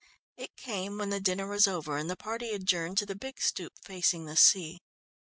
It came when the dinner was over and the party adjourned to the big stoep facing the sea.